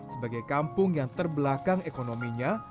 sebagai kampung yang terbelakang ekonominya